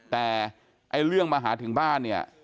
แต่เรื่องมาหาถึงบ้านเนี่ย